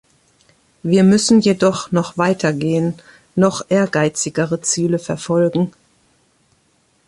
Wir müssen jedoch noch weiter gehen, noch ehrgeizigere Ziele verfolgen.